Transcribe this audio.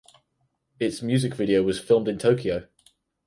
Its music video was filmed in Tokyo.